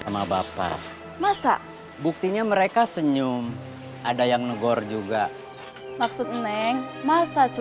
maaf terlalu keras